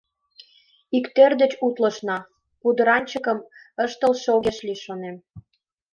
«Ик тор деч утлышна, пудыранчыкым ыштылше огеш лий» шонен.